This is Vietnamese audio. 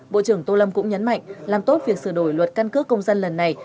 bộ trưởng tô lâm cũng nhấn mạnh làm tốt việc sửa đổi luật căn cước công dân lần này